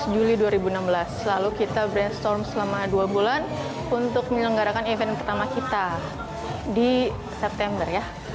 dua belas juli dua ribu enam belas lalu kita brainstorm selama dua bulan untuk menyelenggarakan event pertama kita di september ya